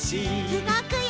うごくよ！